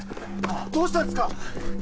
どうしたんですか！